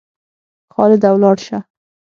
خالده ولاړ سه!